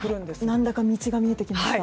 何だか道が見えてきました。